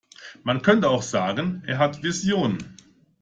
Man könnte auch sagen, er hat Visionen.